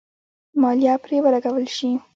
مالیه پرې ولګول شي.